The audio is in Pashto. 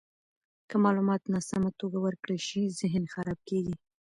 که معلومات ناسمه توګه ورکړل شي، ذهن خراب کیږي.